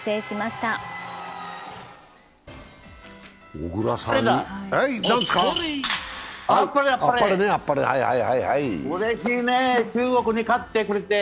うれしいね、中国に勝ってくれて。